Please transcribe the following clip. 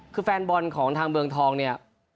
คือแฟนบอลของทางเมืองทองเนี่ย